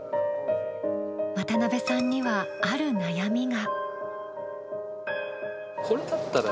渡邊さんには、ある悩みが。